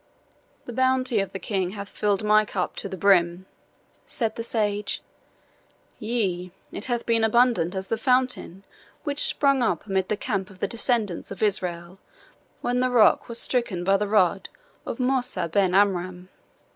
"The bounty of the King hath filled my cup to the brim," said the sage "yea, it hath been abundant as the fountain which sprung up amid the camp of the descendants of Israel when the rock was stricken by the rod of Moussa Ben Amram."